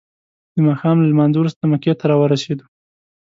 د ماښام له لمانځه وروسته مکې ته راورسیدو.